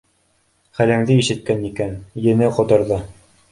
Хәлеңде ишеткән икән, ене ҡоторҙо